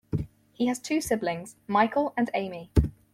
He has two siblings, Michael and Amy.